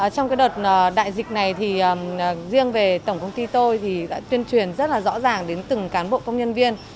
trong đợt đại dịch này thì riêng về tổng công ty tôi thì đã tuyên truyền rất là rõ ràng đến từng cán bộ công nhân viên